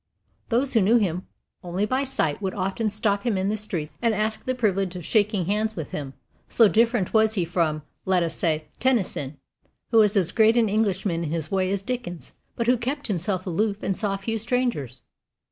Those who knew him only by sight would often stop him in the streets and ask the privilege of shaking hands with him; so different was he from let us say Tennyson, who was as great an Englishman in his way as Dickens, but who kept himself aloof and saw few strangers.